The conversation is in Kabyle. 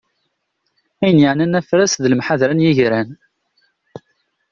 Ayen yeɛnan afras d lemḥadra n yigran.